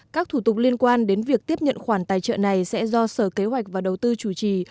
các thủ tục liên quan đến việc tiếp nhận khoản tài trợ này sẽ do sở kế hoạch và đầu tư chủ trì